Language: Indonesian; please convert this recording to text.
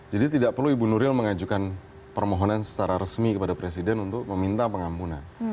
jadi tidak perlu ibu nuril mengajukan permohonan secara resmi kepada presiden untuk meminta pengampunan